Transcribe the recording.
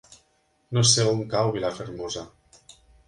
No sé on cau Vilafermosa.